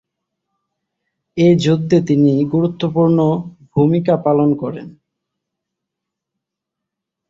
এই যুদ্ধে তিনি গুরুত্বপূর্ণ ভূমিকা পালন করেন।